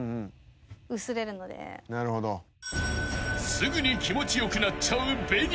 ［すぐに気持ちよくなっちゃうＢＥＮＩ］